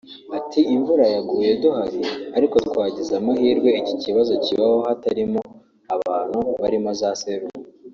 Ati ”Imvura yaguye duhari ariko twagize amahirwe iki kibazo kibaho hatarimo abantu barimo za selumu